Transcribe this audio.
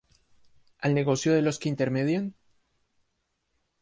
¿al negocio de los que intermedian?